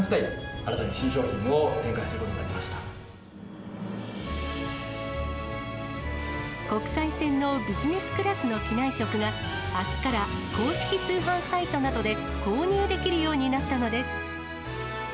新たに新商品を展開することにな国際線のビジネスクラスの機内食が、あすから公式通販サイトなどで購入できるようになったのです。